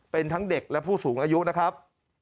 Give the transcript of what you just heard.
เป็นทั้งเด็กและผู้สูงอายุนะครับ